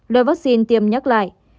loại vắc xin tiêm nhắc lại